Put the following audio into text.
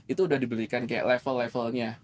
itu sudah diberikan kayak level levelnya